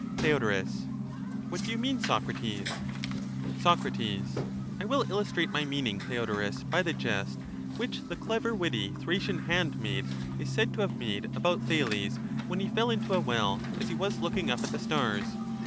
Theod, What do you mean, Socrates ? Soc, I will illustrate my meaning, Theodorus, by the jest which the clever witty Thracian handmaid is said to have made about Thales, when he fell into a well as he was looking up at the stars.